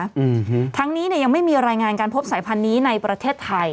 ช่างนี้ยัยังไม่มีรายงานการพบในสายพันนี้ในประเทศไทย